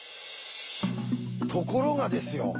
ところがですよ